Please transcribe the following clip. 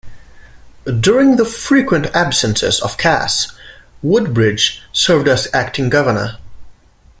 During the frequent absences of Cass, Woodbridge served as acting Governor.